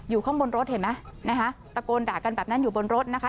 ข้างบนรถเห็นไหมนะคะตะโกนด่ากันแบบนั้นอยู่บนรถนะคะ